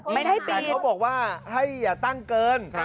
ไม่ได้ปิดแต่เขาบอกว่าให้อย่าตั้งเกิน